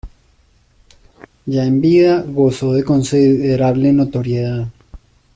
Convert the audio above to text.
Ya en vida gozó de considerable notoriedad.